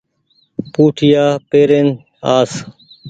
پوٺيآ پيرين آس